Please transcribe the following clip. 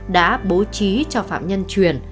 đã bố trí cho phạm nhân truyền